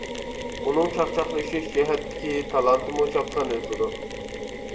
ئۇنىڭ چاقچاقلىشىش جەھەتتىكى، تالانتىمۇ چاپسان ئۆسىدۇ.